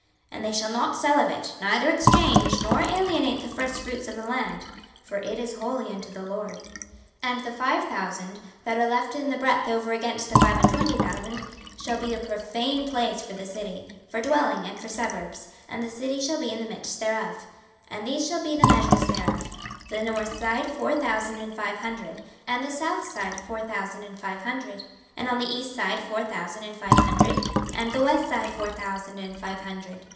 26:048:014 And they shall not sell of it, neither exchange, nor alienate the firstfruits of the land: for it is holy unto the LORD. 26:048:015 And the five thousand, that are left in the breadth over against the five and twenty thousand, shall be a profane place for the city, for dwelling, and for suburbs: and the city shall be in the midst thereof. 26:048:016 And these shall be the measures thereof; the north side four thousand and five hundred, and the south side four thousand and five hundred, and on the east side four thousand and five hundred, and the west side four thousand and five hundred.